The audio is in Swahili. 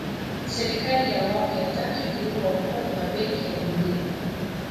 serikali ya awamu ya tatu iliungwa mkono na benki ya dunia